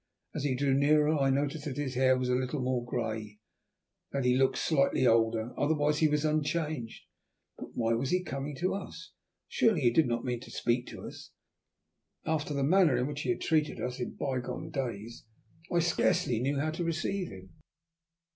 As he drew nearer I noticed that his hair was a little more grey, that he looked slightly older; otherwise he was unchanged. But why was he coming to us? Surely he did not mean to speak to us? After the manner in which he had treated us in by gone days I scarcely knew how to receive him.